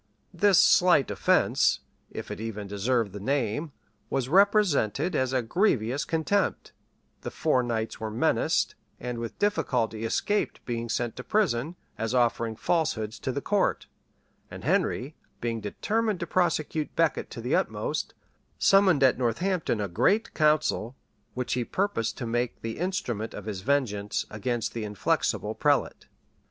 This slight offence (if it even deserve the name) was represented as a grievous contempt; the four knights were menaced, and with difficulty escaped being sent to prison, as offering falsehoods to the court;[*] and Henry, being determined to prosecute Becket to the utmost, summoned at Northampton a great council, which he purposed to make the instrument of his vengeance against the inflexible prelate. [* See note R, at the end of the volume.